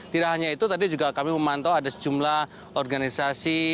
tidak hanya itu tadi juga kami memantau ada sejumlah organisasi